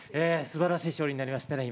すばらしい勝利になりました